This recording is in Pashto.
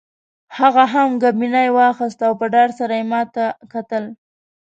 هغه هم ګبڼۍ واخیست او په ډار سره یې ما ته کتل.